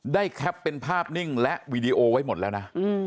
แคปเป็นภาพนิ่งและวีดีโอไว้หมดแล้วนะ